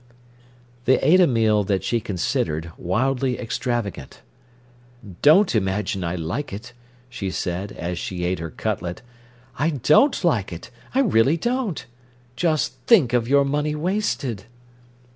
They ate a meal that she considered wildly extravagant. "Don't imagine I like it," she said, as she ate her cutlet. "I don't like it, I really don't! Just think of your money wasted!"